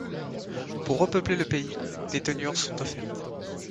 Pour repeupler le pays, des tenures sont offertes.